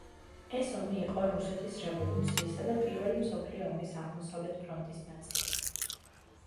ეს ომი იყო რუსეთის რევოლუციისა და პირველი მსოფლიო ომის აღმოსავლეთ ფრონტის ნაწილი.